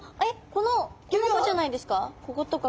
この子じゃないですか？